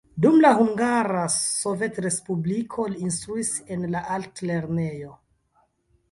Dum la Hungara Sovetrespubliko li instruis en la altlernejo.